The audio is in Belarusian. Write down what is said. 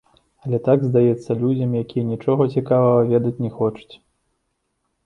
Але так здаецца людзям, якія нічога цікавага ведаць не хочуць.